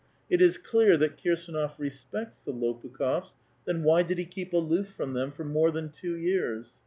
It is clear that Kir«»4nof respects the Lopu kh6fs ; then why did he keep aloof from them for more than two years